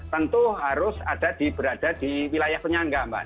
tentu harus ada berada di wilayah penyangga mbak